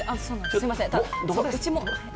すいません。